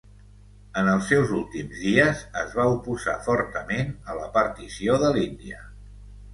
En els seus últims dies, es va oposar fortament a la partició de l'Índia.